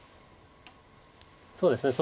そうですね